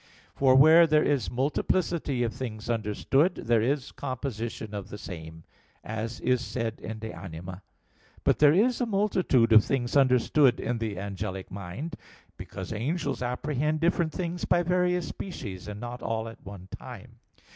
For, where there is multiplicity of things understood, there is composition of the same, as is said in De Anima iii, text. 21. But there is a multitude of things understood in the angelic mind; because angels apprehend different things by various species, and not all at one time.